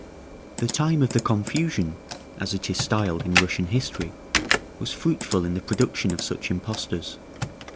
"The time of the confusion," as it is styled in Russian history, was fruitful in the production of such impostors.